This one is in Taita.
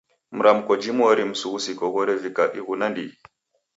Mramko jimweri msughusiko ghorevika ighu nandighi.